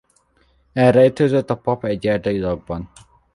Elrejtőzött a pap egy erdei lakban.